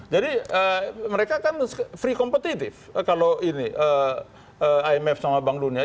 jadi mereka kan free competitive kalau ini imf sama bank dunia